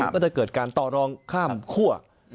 ก็จะเกิดการต่อรองข้ามคั่ว